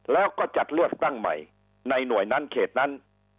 แล้วก็จัดเลือกตั้งใหม่ในหน่วยนั้นเขตนั้น